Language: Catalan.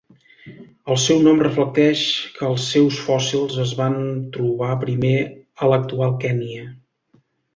El seu nom reflecteix que els seus fòssils es van trobar primer a l'actual Kenya.